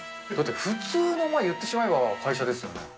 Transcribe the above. だって、普通の、まあ、言ってしまえば会社ですよね。